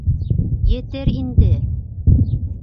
Етер инде...